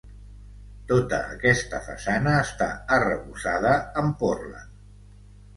Tota aquesta façana està arrebossada amb pòrtland.